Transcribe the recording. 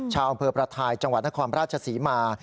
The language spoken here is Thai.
ชาวอำเภอประทายจังหวัดนครราชศรีมา